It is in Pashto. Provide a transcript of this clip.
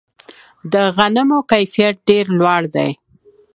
د غنمو کیفیت ډیر لوړ دی.